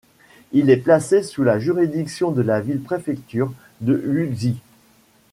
Il est placé sous la juridiction de la ville-préfecture de Wuxi.